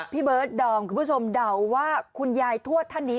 เบิร์ดดอมคุณผู้ชมเดาว่าคุณยายทวดท่านนี้